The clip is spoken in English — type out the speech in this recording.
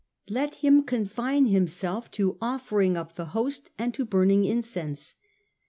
Let him confine him self to offering up the Host and to burning incense.